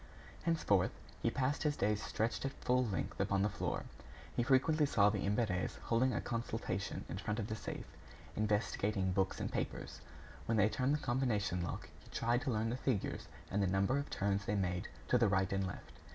Henceforth, he passed his days stretched at full length upon the floor. He frequently saw the Imberts holding a consultation in front of the safe, investigating books and papers. When they turned the combination lock, he tried to learn the figures and the number of turns they made to the right and left.